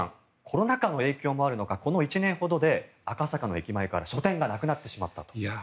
コロナ禍の影響もあるのかこの１年ほどで赤坂の駅前から書店がなくなってしまったと。